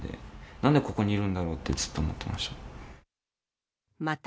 なんでここにいるんだろうって、ずっと思ってました。